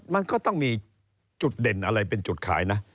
มันก็ต้องมีจุดเด่นอะไรเป็นจุดขายนะ